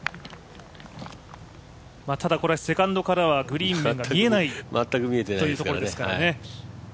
ただ、セカンドからはグリーンが見えないという所ですからね。